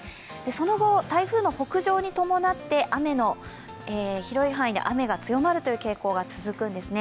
その後、台風の北上に伴って広い範囲で雨が強まるという傾向が続くんですね。